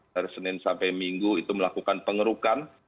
dari senin sampai minggu itu melakukan pengerukan di sungai sungai di jakarta